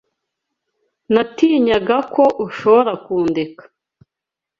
Natinyaga ko ushobora kundeka.